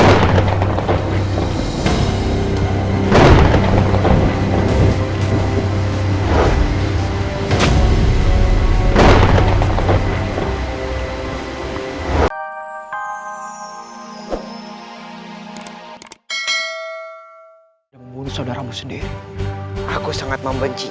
ayahandamu sangat dekat denganku